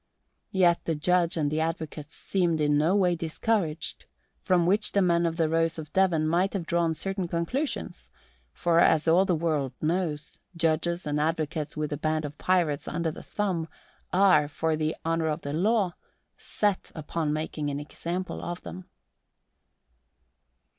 Yet the Judge and the advocates seemed in no way discouraged, from which the men of the Rose of Devon might have drawn certain conclusions; for as all the world knows, judges and advocates with a band of pirates under the thumb are, for the honour of the law, set upon making an example of them.